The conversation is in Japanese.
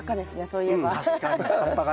そういえば。